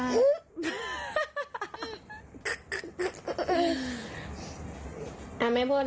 เอาไม่พูดนะ